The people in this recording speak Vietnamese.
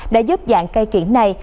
đã giúp dạng cây kiện này